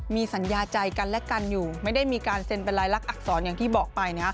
มีสัญญาใจกันและกันอยู่ไม่ได้มีการเซ็นเป็นลายลักษณอักษรอย่างที่บอกไป